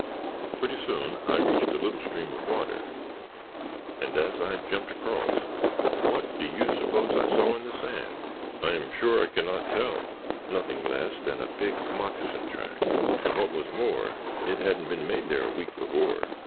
Pretty soon I reached a little stream of water, and as I jumped across, what do you suppose I saw in the sand?" "I am sure I cannot tell." "Nothing less than a big moccasin track. And what was more, it hadn't been made there a week before!